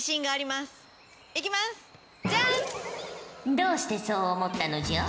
どうしてそう思ったのじゃ？